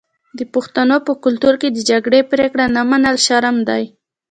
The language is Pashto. د پښتنو په کلتور کې د جرګې پریکړه نه منل شرم دی.